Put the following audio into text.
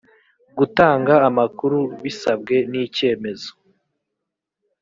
gutanga amakuru bisabwe n icyemezo